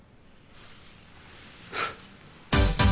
フッ。